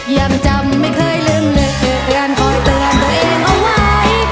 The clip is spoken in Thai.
ย่ามจำไม่เคยลืมเรเรียนคอยเตือนตัวเองเอาไว้